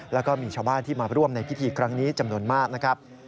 แล้วก็มีชาวบ้านที่มาร่วมในพิธีครั้งนี้จำนวนมากนะครับ